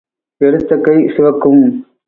எடுத்த கை சிவக்கும்.